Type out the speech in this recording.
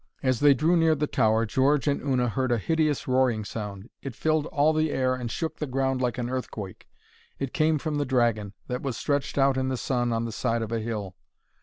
As they drew near the tower, George and Una heard a hideous roaring sound. It filled all the air and shook the ground like an earthquake. It came from the dragon, that was stretched out in the sun on the side of a hill.